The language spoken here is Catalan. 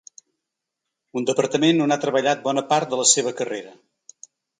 Un departament on ha treballat bona part de la seva carrera.